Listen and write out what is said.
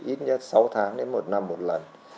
ít nhất sáu tháng đến một năm một lần